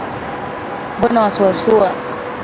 Mbona wasuasua